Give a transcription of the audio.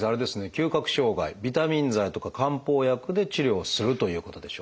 嗅覚障害ビタミン剤とか漢方薬で治療をするということでしょうか？